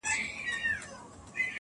• خره به هره ورځ ویل چي لویه خدایه -